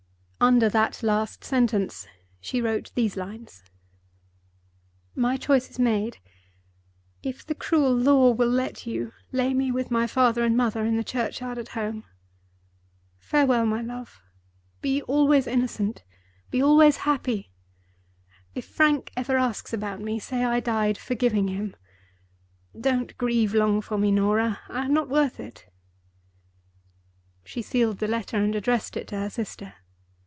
Under that last sentence, she wrote these lines: "My choice is made. If the cruel law will let you, lay me with my father and mother in the churchyard at home. Farewell, my love! Be always innocent; be always happy. If Frank ever asks about me, say I died forgiving him. Don't grieve long for me, Norah—I am not worth it." She sealed the letter, and addressed it to her sister.